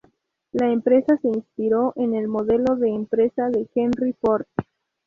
La empresa se inspiró en el modelo de empresa de Henry Ford.